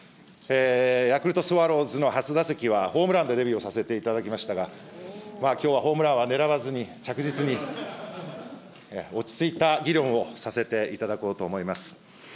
ヤクルトスワローズの初打席はホームランでデビューをさせていただきましたが、きょうはホームランは狙わずに、着実に、落ち着いた議論をさせていただこうと思います。